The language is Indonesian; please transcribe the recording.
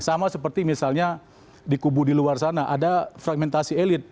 sama seperti misalnya di kubu di luar sana ada fragmentasi elit